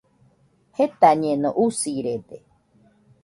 Jetañeno, usirede